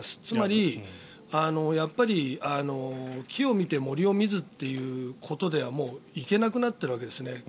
つまり、やっぱり木を見て森を見ずということではもういけなくなっているわけですね。